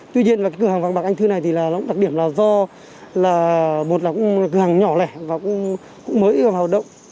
tuy nhiên cửa hàng vàng bạc anh thư này đặc điểm là do cửa hàng nhỏ lẻ và mới vào động